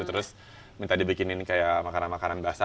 terus minta dibikinin kayak makanan makanan basah